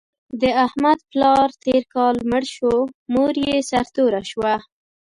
د احمد پلار تېر کال مړ شو، مور یې سرتوره شوه.